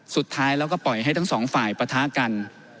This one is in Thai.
สุดท้ายแล้วก็ปล่อยให้ทั้งสองฝ่ายปะทะกัน